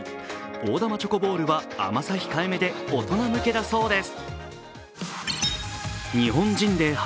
大玉チョコボールは甘さ控えめで大人向けだそうです。